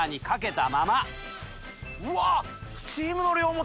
うわっ！